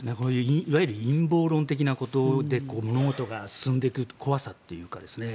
いわゆる陰謀論的なことで物事が進んでいく怖さというか